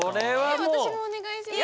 え私もお願いします。